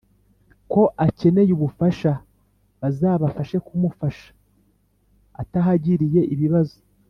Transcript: ko akeneye ubufasha bazabashe kumufasha atahagiriye ibibazo.